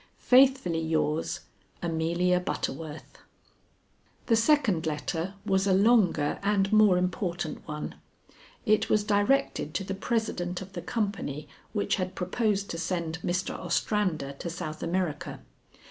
Faithfully yours, "AMELIA BUTTERWORTH." The second letter was a longer and more important one. It was directed to the president of the company which had proposed to send Mr. Ostrander to South America.